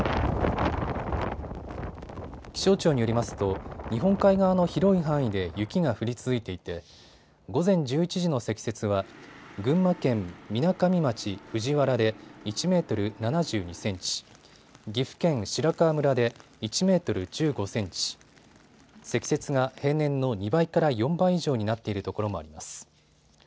気象庁によりますと日本海側の広い範囲で雪が降り続いていて午前１１時の積雪は群馬県みなかみ町藤原で１メートル７２センチ、岐阜県白川村で１メートル１５センチ、積雪が平年の２倍から４倍以上になっているところもあります。